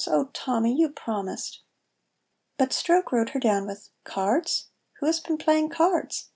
Oh, Tommy, you promised " But Stroke rode her down with, "Cards! Wha has been playing cards?